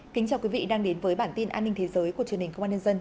chào mừng quý vị đến với bản tin an ninh thế giới của truyền hình không an nhân dân